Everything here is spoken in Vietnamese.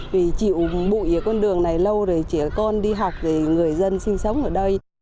vì chịu bụi con đường này lâu rồi chỉ có con đi học để người dân sinh sống ở đây